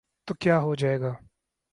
تو کیا ہوجائے گا۔